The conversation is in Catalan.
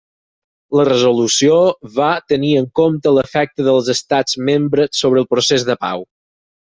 La resolució va tenir en compte l'efecte dels Estats membres sobre el procés de pau.